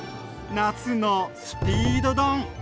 「夏のスピード丼」。